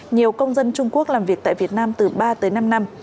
nhiều công dân trung quốc làm việc tại việt nam từ ba tới năm năm